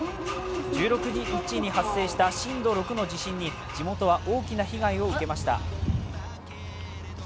１６日に発生した震度６の地震に地元は大きな被害を受けました。